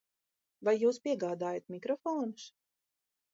Vai jūs piegādājat mikrofonus?